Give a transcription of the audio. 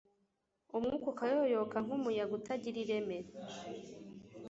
umwuka ukayoyoka nk'umuyaga utagira ireme